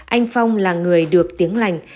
anh phòng là người được tiếng lành